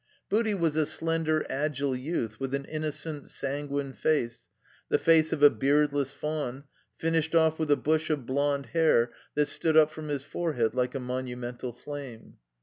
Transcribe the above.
Booty was a slender, agile youth with an innocent, sanguine face, the face of a beardless faun, finished off with a bush of blond hair that stood up from his forehead like a monumental flame.